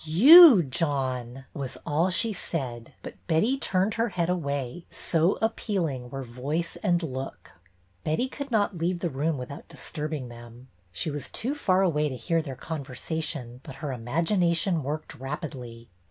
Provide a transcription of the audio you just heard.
''You, John!" was all she said, but Betty turned her head away, so appealing were voice and look. Betty could not leave the room without disturb ing them. She was too far away to hear their conversation, but her imagination worked rapidly.